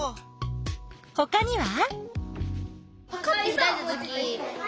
ほかには？